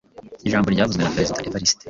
Ijambo ryavuzwe na Perezida Evariste